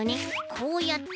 こうやって。